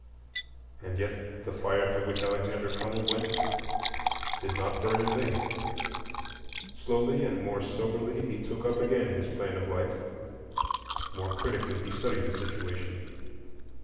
And yet the fire through which Alexander Crummell went did not burn in vain. Slowly and more soberly he took up again his plan of life. More critically he studied the situation.